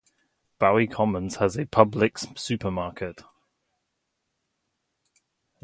Bowie Commons has a Publix supermarket.